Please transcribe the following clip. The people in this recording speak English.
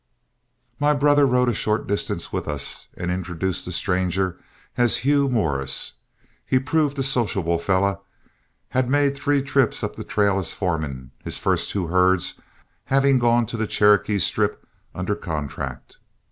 My brother rode a short distance with us and introduced the stranger as Hugh Morris. He proved a sociable fellow, had made three trips up the trail as foreman, his first two herds having gone to the Cherokee Strip under contract.